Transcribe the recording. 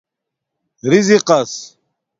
رزِقس